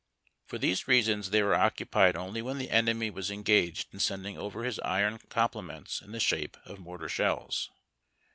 For tliese reasons they were occupied only when the enemy was engaged in sending over his iron compliments in the shape of mortar shells.